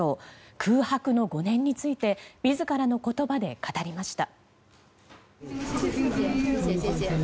空白の５年について自らの言葉で語りました。